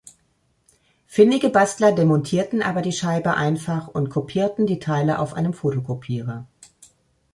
Findige Bastler demontierten aber die Scheibe einfach und kopierten die Teile auf einem Fotokopierer.